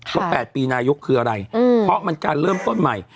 ๘ปีนายกคืออะไรเพราะมันการเริ่มต้นใหม่